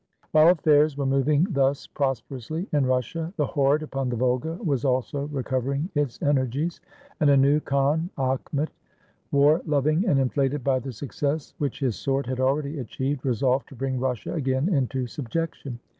] While affairs were moving thus prosperously in Russia 39 RUSSIA the horde upon the Volga was also recovering its energies; and a new khan, Akhmet, war loving and inflated by the success which his sword had already achieved, resolved to bring Russia again into subjection.